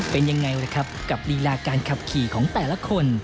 เป็นยังไงล่ะครับกับลีลาการขับขี่ของแต่ละคน